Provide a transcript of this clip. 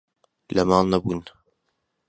لە ماڵ نەبوون.